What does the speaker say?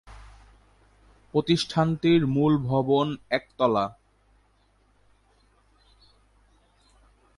প্রতিষ্ঠানটির মূল ভবন একতলা।